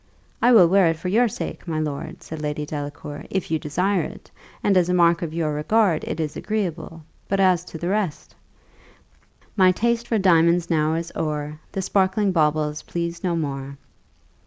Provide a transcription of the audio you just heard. "I will wear it for your sake, my lord," said Lady Delacour, "if you desire it; and as a mark of your regard it is agreeable: but as to the rest 'My taste for diamonds now is o'er, The sparkling baubles please no more.